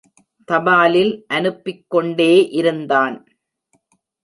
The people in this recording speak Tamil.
தபாலில் அனுப்பிக் கொண்டே இருந்தான்.